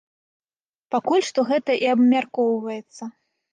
Пакуль што гэта і абмяркоўваецца.